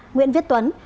nguyễn viết tuấn